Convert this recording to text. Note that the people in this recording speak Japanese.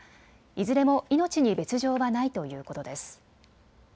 いずれも命に別状はないということです。